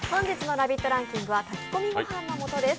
ランキングは炊き込みご飯の素です。